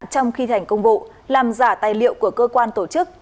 trong khi thành công vụ làm giả tài liệu của cơ quan tổ chức